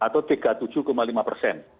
atau tiga puluh tujuh lima persen